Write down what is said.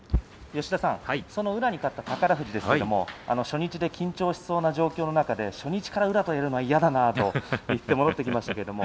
宇良に勝った宝富士ですが初日で緊張しそうな状況の中で初日から宇良とやるのは嫌だなと言いながら話していました。